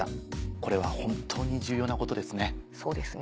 これは本当に重要なことですね。